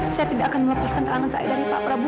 saya tidak akan melepaskan tangan saya dari pak prabowo